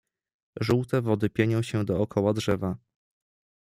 "Żółte wody pienią się dokoła drzewa."